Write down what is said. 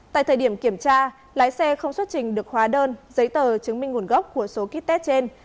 tại thời điểm kiểm tra lái xe không xuất trình được hóa đơn giấy tờ chứng minh nguồn gốc của số kit tech trên